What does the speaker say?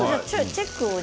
チェックを。